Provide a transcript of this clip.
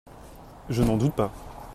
Je n’en doute pas.